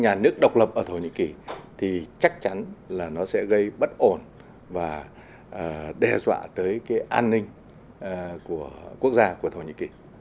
nhà nước độc lập ở thổ nhĩ kỳ thì chắc chắn là nó sẽ gây bất ổn và đe dọa tới cái an ninh của quốc gia của thổ nhĩ kỳ